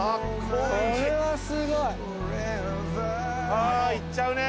ああ行っちゃうね。